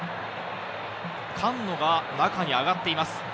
カンノが中に上がっています。